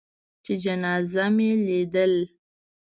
چې جنازه مې لېده.